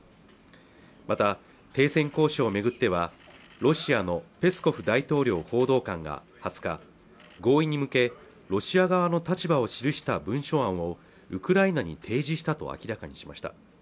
また停戦交渉を巡ってはロシアのペスコフ大統領報道官が２０日合意に向けロシア側の立場を記した文書はもうウクライナに提示したと明らかにしました